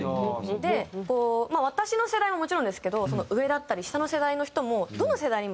でこうまあ私の世代ももちろんですけどその上だったり下の世代の人も。